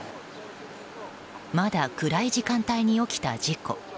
まだ暗い時間帯に起きた事故。